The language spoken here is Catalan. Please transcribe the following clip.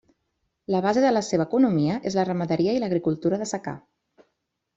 La base de la seva economia és la ramaderia i l'agricultura de secà.